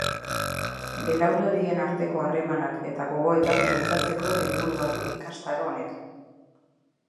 Belaunaldien arteko harremanak eta gogoetak bultzatzeko helburua du ikastaro honek.